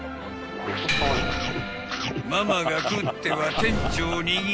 ［ママが食っては店長］